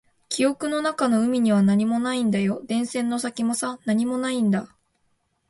記憶の中の海には何もないんだよ。電線の先もさ、何もないんだ。